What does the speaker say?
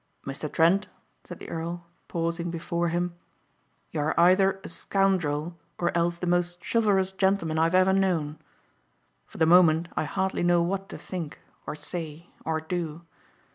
"Mr. Trent," said the earl pausing before him, "you are either a scoundrel or else the most chivalrous gentleman I have ever known. For the moment I hardly know what to think, or say, or do.